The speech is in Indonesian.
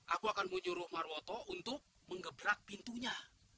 aku akan menyuruh marwoto untuk mengebrak pintunya